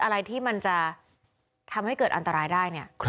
อะไรที่มันจะทำให้เกิดอันตรายได้เนี่ย